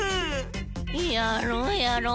やろうやろう！